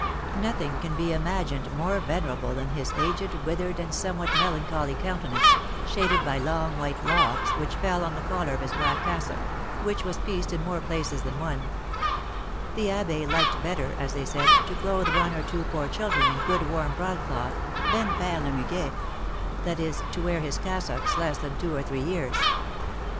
Nothing can be imagined more venerable than his aged, withered, and somewhat melancholy countenance, shaded by long white locks, which fell on the collar of his black cassock, which was pieced in more places than one; the abbé liked better, as they said, to clothe one or two poor children in good warm broadcloth, than faire le muguet; that is, to wear his cassocks less than two or three years.